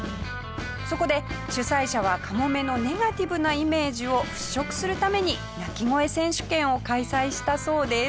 そこで主催者はカモメのネガティブなイメージを払拭するために鳴き声選手権を開催したそうです。